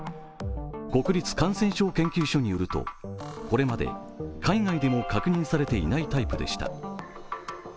国立感染症研究所によるとこれまで海外でも確認されていないタイプでした。